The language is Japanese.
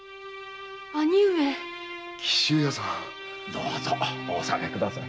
どうぞお納めください。